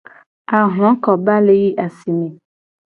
Ahlokoba le yi asi me.